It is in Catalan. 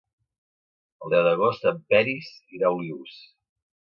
El deu d'agost en Peris irà a Olius.